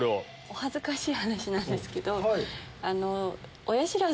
お恥ずかしい話ですけど。